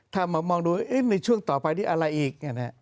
ถ้ามามองดูในช่วงต่อไปที่อะไรอีก